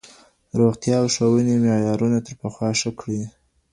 د روغتيا او ښوونې معيارونه تر پخوا ښه کړئ.